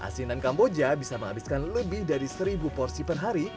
asinan kamboja bisa menghabiskan lebih dari seribu porsi per hari